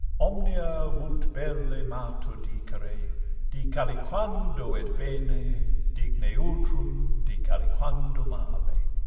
'Omnia vult belle Matho dicere—dic aliquando Et bene, dic neutrum, dic aliquando male.